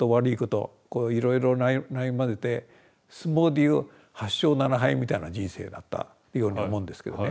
こういろいろないまぜて相撲で言う８勝７敗みたいな人生だったように思うんですけどね。